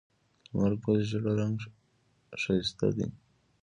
د لمر ګل ژیړ رنګ ښکلی دی.